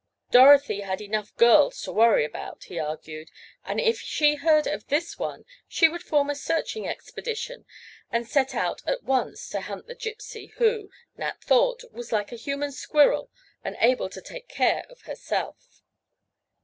Dorothy had enough girls to worry about, he argued, and if she heard of this one she would form a searching expedition, and set out at once to hunt the Gypsy who, Nat thought, was like a human squirrel and able to take care of herself.